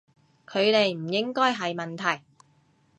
距離唔應該係問題